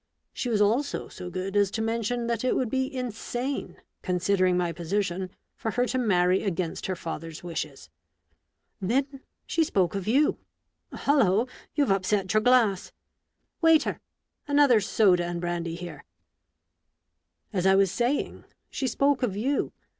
She was also so good as to mention that it would be insane, considering my position, for her to marry against her father's wishes. Then she spoke of you. — Hullo ! you've upset your glass ! Waiter, another soda and brandy here !— As I was saying, she spoke of you.